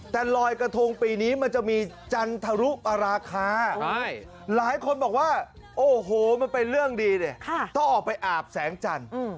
แต่ลอยกระทงปีนี้มันจะมีจันทรุปราคาหลายคนบอกว่าโอ้โหมันเป็นเรื่องดีดิต้องออกไปอาบแสงจันทร์